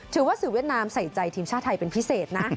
สื่อเวียดนามใส่ใจทีมชาติไทยเป็นพิเศษนะ